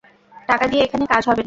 টাকা দিয়ে এখানে কাজ হবে না।